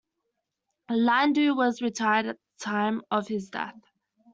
Landau was retired at the time of his death.